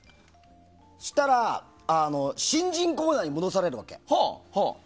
そしたら新人コーナーに戻されるわけ。